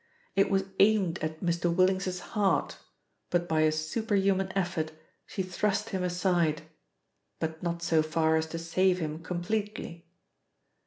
It was aimed at Mr. Willings's heart, but by a superhuman effort, she thrust him aside, but not so far as to save him completely.